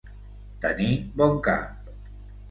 Tenir bon cap.